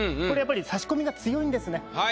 これやっぱり差し込みが強いんですね。